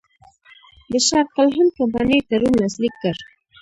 د شرق الهند کمپنۍ تړون لاسلیک کړ.